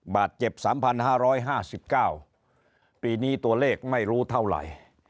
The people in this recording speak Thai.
บาดเจ็บ๓๕๕๙ปีนี้ตัวเลขไม่รู้เท่าไหร่